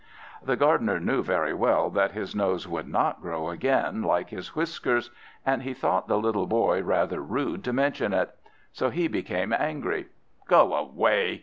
The Gardener knew very well that his nose would not grow again like his whiskers, and he thought the little boy rather rude to mention it; so he became angry. "Go away!"